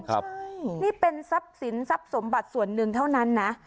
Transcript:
ครับนี่เป็นทรัพย์สินทรัพย์สมบัติส่วนหนึ่งเท่านั้นนะ